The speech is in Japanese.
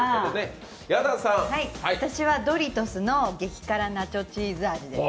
私はドリトスの激辛ナチョ・チーズ味です。